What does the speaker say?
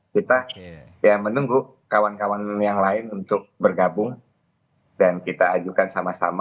kita ya menunggu kawan kawan yang lain untuk bergabung dan kita ajukan sama sama